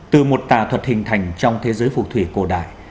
từ một tà thuật hình thành trong thế giới phủ thủy cổ đại